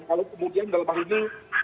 kalau kemudian dalam hal ini